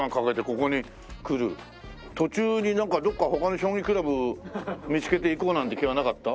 途中になんかどこか他の将棋クラブ見つけて行こうなんて気はなかった？